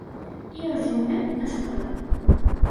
І ажыўляць наш край.